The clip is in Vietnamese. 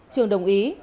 trường đồng ý